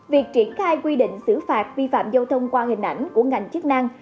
việc triển khai quy định xử phạt vi phạm giao thông qua hình ảnh của ngành chức năng